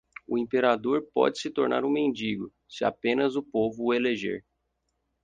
O imperador pode se tornar um mendigo, se apenas o povo o eleger.